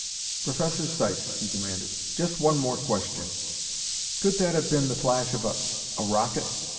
"Professor Sykes," he demanded, "just one more question. Could that have been the flash of a a rocket?